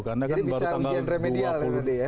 jadi bisa ujian remedial ya